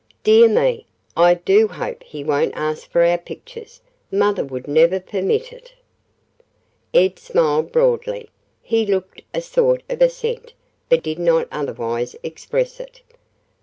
"Dear me! I do hope he won't ask for our pictures. Mother would never permit it." Ed smiled broadly. He looked a sort of assent, but did not otherwise express it.